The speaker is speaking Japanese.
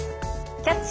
「キャッチ！